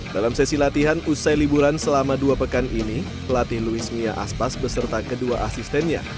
dalam sesi latihan usai liburan selama dua pekan ini pelatih luis mia aspas beserta kedua asistennya